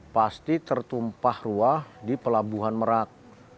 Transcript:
pasti tertumpah ruah di pelabuhan merak